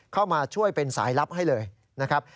เข้ามาช่วยเป็นสายลับให้เลยนะครับ